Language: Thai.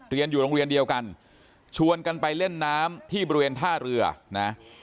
เรียนอยู่โรงเรียนเดียวกันชวนกันไปเล่นน้ำที่บริเวณท่าเรือนะ